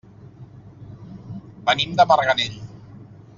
Venim de Marganell.